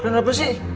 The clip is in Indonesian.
keren apa sih